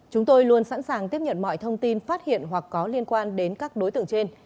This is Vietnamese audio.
chúng tôi luôn sẵn sàng tiếp nhận mọi thông tin phát hiện hoặc có liên quan đến các đối tượng trên